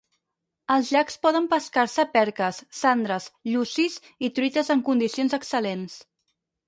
Als llacs poden pescar-se perques, sandres, llucis i truites en condicions excel·lents.